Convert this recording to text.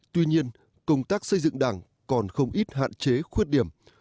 tuy nhiên công tác xây dựng đảng còn không ít hạn chế khuyết điểm